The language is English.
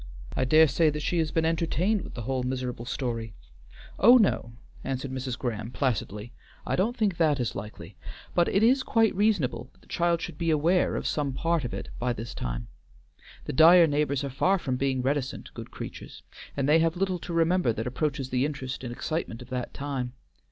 I dare say that she has been entertained with the whole miserable story." "Oh, no," answered Mrs. Graham, placidly. "I don't think that is likely, but it is quite reasonable that the child should be aware of some part of it by this time. The Dyer neighbors are far from being reticent, good creatures, and they have little to remember that approaches the interest and excitement of that time.